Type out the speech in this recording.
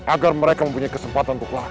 agar mereka mempunyai kesempatan untuk lahir